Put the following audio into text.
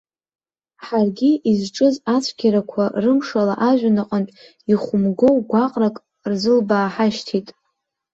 Ҳаргьы изҿыз ацәгьарақәа рымшала ажәҩан аҟынтә ихәмгоу гәаҟрак рзылбааҳашьҭит.